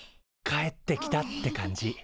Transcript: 帰ってきたって感じ。